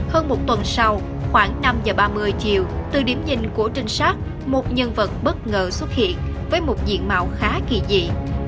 hơn một tuần sau khoảng năm giờ ba mươi chiều từ điểm nhìn của trinh sát một nhân vật bất ngờ xuất hiện với một diện mạo khá kỳ dị